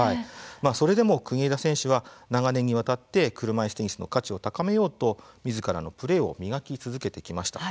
それでも国枝選手は長年にわたって車いすテニスの価値を高めようとみずからのプレーを磨き続けてきました。